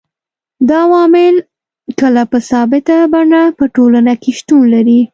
دا عوامل کله په ثابته بڼه په ټولنه کي شتون لري